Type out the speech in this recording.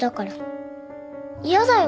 嫌だよ